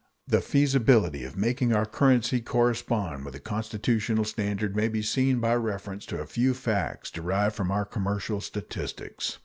The feasibility of making our currency correspond with the constitutional standard may be seen by reference to a few facts derived from our commercial statistics.